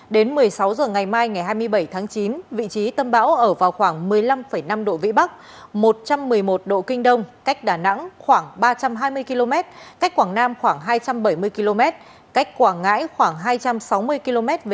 đến một mươi sáu h ngày mai ngày hai mươi bảy tháng chín vị trí tâm bão ở vào khoảng một mươi năm năm độ vĩ bắc một trăm một mươi một độ kinh đông cách đà nẵng khoảng ba trăm hai mươi km cách quảng nam khoảng hai trăm bảy mươi km cách quảng ngãi khoảng hai trăm sáu mươi km về